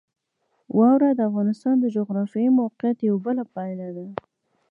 واوره د افغانستان د جغرافیایي موقیعت یوه پایله ده.